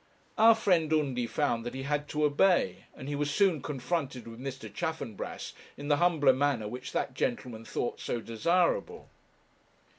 Our friend Undy found that he had to obey, and he was soon confronted with Mr. Chaffanbrass in the humbler manner which that gentleman thought so desirable.